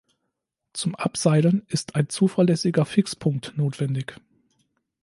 Zum Abseilen ist ein zuverlässiger Fixpunkt notwendig.